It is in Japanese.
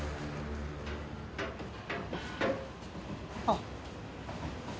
あっ。